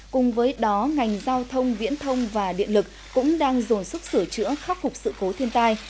cùng với đó ngành giao thông viễn thông và điện lực cũng đang dồn sức sửa chữa khắc phục sự cố thiên tai